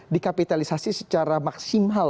dikapitalisasi secara maksimal